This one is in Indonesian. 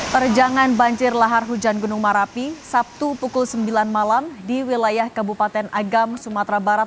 terjangan banjir lahar hujan gunung merapi sabtu pukul sembilan malam di wilayah kabupaten agam sumatera barat